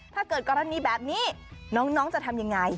ถ้าเกิดกรณีแบบนี้น้องจะทำยังไง